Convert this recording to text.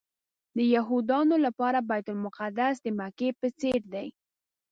د یهودانو لپاره بیت المقدس د مکې په څېر دی.